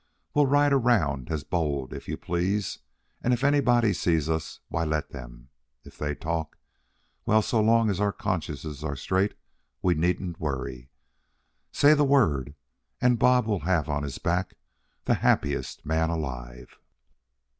"We'll ride around as bold if you please, and if anybody sees us, why, let them. If they talk well, so long as our consciences are straight we needn't worry. Say the word, and Bob will have on his back the happiest man alive."